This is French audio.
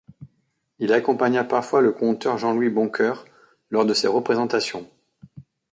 Il accompagna parfois le conteur Jean-Louis Boncoeur lors de ses représentations.